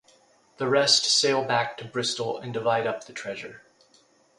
The rest sail back to Bristol and divide up the treasure.